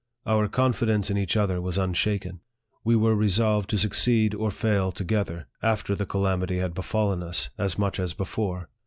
Our confidence in each other was unshaken. We were resolved to suc ceed or fail together, after the calamity had befallen us as much as before.